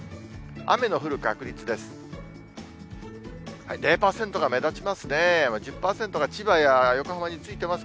雨の降る確率です。